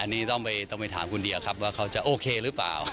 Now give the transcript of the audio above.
อันนี้ต้องไปถามคุณเดียครับว่าเขาจะโอเคหรือเปล่า